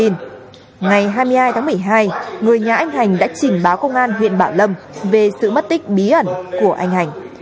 ngày hai mươi hai tháng một mươi hai người nhà anh hành đã trình báo công an huyện bảo lâm về sự mất tích bí ẩn của anh hành